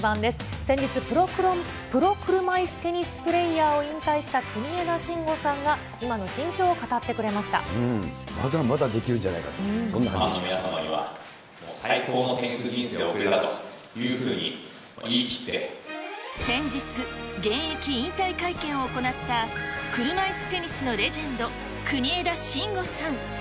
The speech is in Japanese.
先日、プロ車いすテニスプレーヤーを引退した国枝慎吾さんが今の心境をまだまだできるんじゃないか、皆様には最高のテニス人生を先日、現役引退会見を行った車いすテニスのレジェンド、国枝慎吾さん。